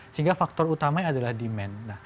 sehingga faktor utamanya adalah demand